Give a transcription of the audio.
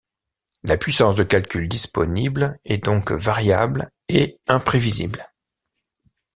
La puissance de calcul disponible est donc variable et imprévisible.